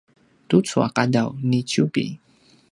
tucu a qadaw niciubi